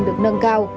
được nâng cao